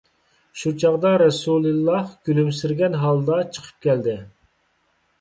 شۇ چاغدا رەسۇلىللا كۈلۈمسىرىگەن ھالدا چىقىپ كەلدى.